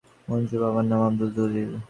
মজনুর বাবার নাম আবদুল জলিল।